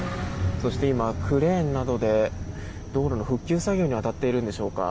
そして、今クレーンなどで道路の復旧作業に当たっているんでしょうか。